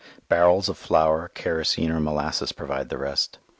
Barrels of flour, kerosene, or molasses provide the rest.